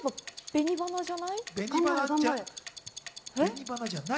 紅花じゃない。